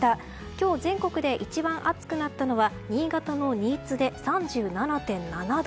今日、全国で一番暑くなったのは新潟の新津で、３７．７度。